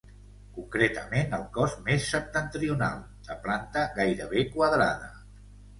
Concretament, el cos més septentrional, de planta gairebé quadrada.